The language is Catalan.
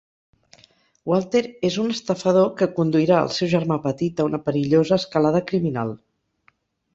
Walter és un estafador que conduirà al seu germà petit a una perillosa escalada criminal.